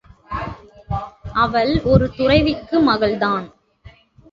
அவள் ஒரு துறவிக்கு மகள்தான்.